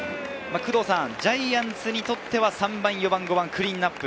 ジャイアンツにとっては３番、４番、５番のクリーンナップ。